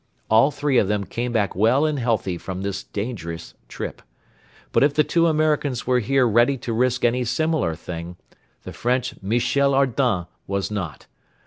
All three of them came back well and healthy from this dangerous trip. But if the two Americans were here ready to risk any similar thing, the French Michel Ardan was not.